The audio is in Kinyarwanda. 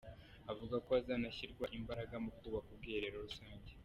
Avuga ko hazanashyirwa imbaraga mu kubaka ubwiherero rusange.